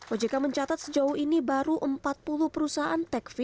ojk mencatat sejauh ini baru empat puluh perusahaan teknologi